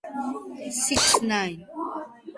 ტბის ფსკერზე ამოდის მძლავრი ვოკლუზი.